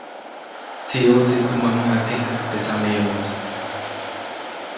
Tsiʼuʼtsi tumä mäjatsika teʼ tsameyomoʼis.